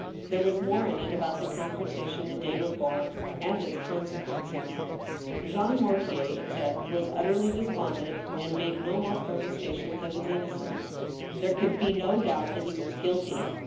There was more in it about the confrontation the day before, and its consequences. Jean Mortier, it said, was utterly despondent, and made no more protestations of his innocence. There could be no doubt that he was guilty.